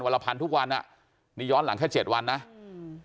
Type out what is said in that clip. ละพันทุกวันอ่ะนี่ย้อนหลังแค่เจ็ดวันนะอืม